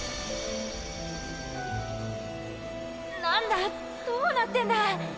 なんだどうなってんだ！？